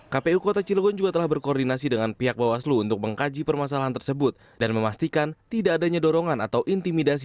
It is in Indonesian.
kpu kota cilegon juga telah berkoordinasi dengan pihak bawaslu untuk mengkaji permasalahan tersebut dan memastikan tidak adanya dorongan atau intimidasi